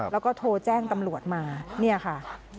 แล้วก็โทรแจ้งตำรวจมาเนี่ยค่ะ